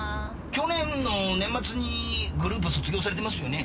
去年の年末にグループ卒業されてますよね？